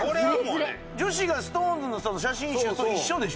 女子がＳｉｘＴＯＮＥＳの写真集と一緒でしょ？